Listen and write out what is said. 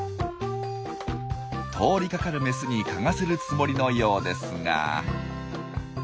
通りかかるメスに嗅がせるつもりのようですが。